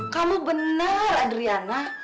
kamu bener adriana